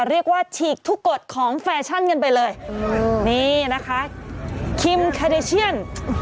ฉีกทุกกฎของแฟชั่นกันไปเลยนี่นะคะคิมแคเดเชียน